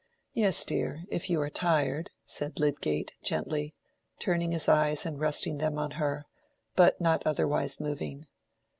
"Yes, dear, if you are tired," said Lydgate, gently, turning his eyes and resting them on her, but not otherwise moving.